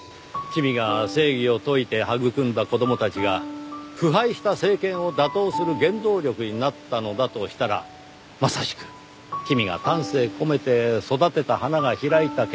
君が正義を説いて育んだ子供たちが腐敗した政権を打倒する原動力になったのだとしたらまさしく君が丹精込めて育てた花が開いた結果。